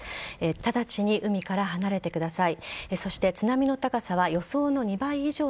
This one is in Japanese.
直ちに海から離れてください。